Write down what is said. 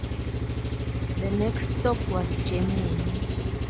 The next stop was Germany.